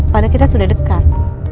padahal kita sudah dekat